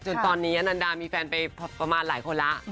จนตอนนี้อนันดามีแฟนไปประมาณหลายคนแล้ว